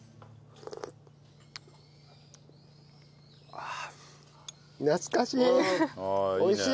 ああ懐かしい！